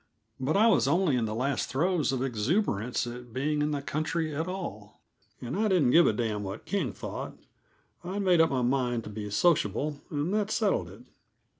But I was only in the last throes of exuberance at being in the country at all, and I didn't give a damn what King thought; I'd made up my mind to be sociable, and that settled it.